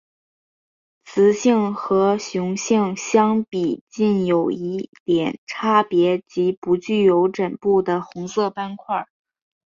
雌性与雄性相比近有一点差别即不具有枕部的红色斑块。